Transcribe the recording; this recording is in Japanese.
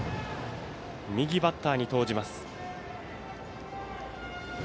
右バッターに投じます。